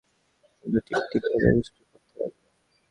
সমস্ত দিন টিপ টিপ করিয়া বৃষ্টি পড়িতে লাগিল।